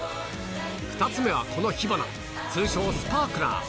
２つ目はこの火花、通称、スパークラー。